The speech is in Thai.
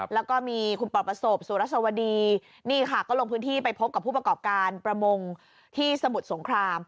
แล้วก็มีคุณปประสบสุรสวดีนี่ค่ะก็ลงพื้นที่ไปพบกับผู้ประกอบการประมงที่สมุทรสงคราม